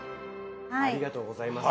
ありがとうございます。